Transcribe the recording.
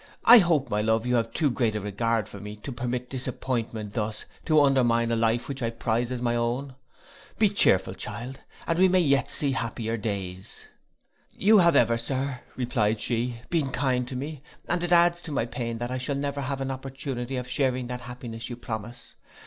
I hope, my love, you have too great a regard for me, to permit disappointment thus to undermine a life which I prize as my own. Be chearful child, and we yet may see happier days.' 'You have ever, sir,' replied she, 'been kind to me, and it adds to my pain that I shall never have an opportunity of sharing that happiness you promise.